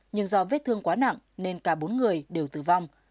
nhưng do vết thương quá nặng nên cả bốn người đều tử vong